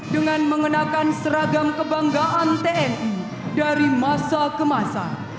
dengan mengenakan seragam kebanggaan tni dari masa ke masa